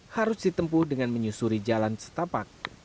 harus ditempuh dengan menyusuri jalan setapak